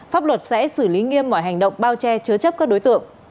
pháp luật sẽ xử lý nghiêm mọi hành động bao che chứa chấp các đối tượng